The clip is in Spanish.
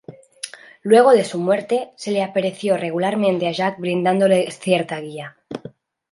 Luego de su muerte, se le apareció regularmente a Jack, brindándole cierta guía.